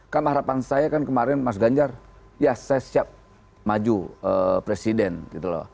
kan harapan saya kan kemarin mas ganjar ya saya siap maju presiden gitu loh